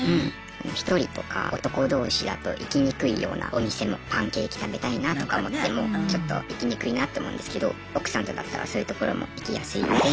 １人とか男同士だと行きにくいようなお店もパンケーキ食べたいなとか思ってもちょっと行きにくいなって思うんですけど奥さんとだったらそういうところも行きやすいので。